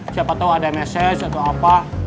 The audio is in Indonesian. siapa tahu ada message atau apa